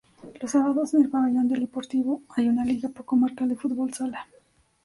Los sábados, en el pabellón polideportivo, hay una liga comarcal de fútbol sala.